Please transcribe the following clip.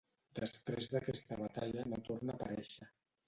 Després d'aquesta batalla no torna a aparèixer.